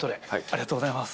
ありがとうございます。